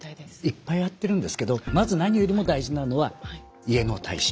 いっぱいやってるんですけどまず何よりも大事なのは家の耐震化。